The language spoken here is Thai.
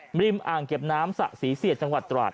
หมิริมอ่างเก็บน้ำสระศรีเซียจังหวัดตุวัด